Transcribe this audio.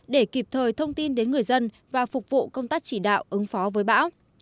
để kịp thời thông tin đến người dân và phục vụ công tác chỉ đạo ứng phó với bão